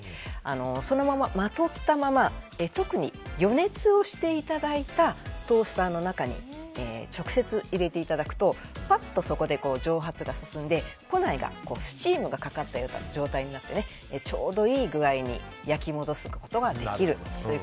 そのまま、まとったまま特に予熱をしていただいたトースターの中に直接入れていただくとぱっと、そこで蒸発が進んで庫内にスチームがかかったような状態になってちょうどいい具合に焼き戻すことができます。